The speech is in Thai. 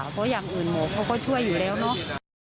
เพราะอย่างอื่นหมอเขาก็ช่วยอยู่แล้วเนาะ